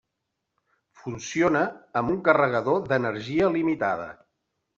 Funciona amb un carregador d'energia limitada.